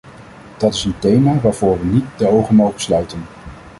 Dat is een thema waarvoor we niet de ogen mogen sluiten.